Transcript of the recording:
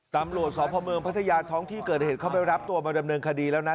ตำรวจสพเมืองพัทยาท้องที่เกิดเหตุเข้าไปรับตัวมาดำเนินคดีแล้วนะ